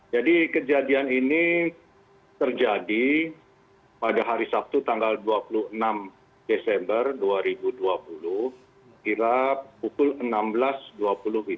jadi kejadian ini terjadi pada hari sabtu tanggal dua puluh enam desember dua ribu dua puluh kira pukul enam belas dua puluh wib